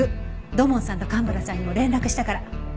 土門さんと蒲原さんにも連絡したから。